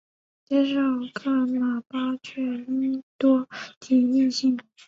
接受噶玛巴却英多吉印信。